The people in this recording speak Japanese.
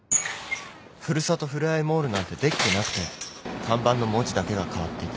ふるさとふれあいモールなんてできてなくて看板の文字だけが変わっていた。